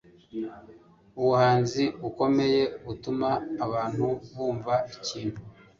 Ubuhanzi bukomeye butuma abantu bumva ikintu.